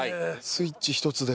スイッチ１つで。